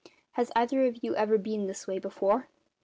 Has either of you ever been this way before?"